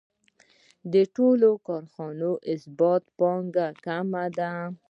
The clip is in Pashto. د ټوکر کارخانې ثابته پانګه کمه ده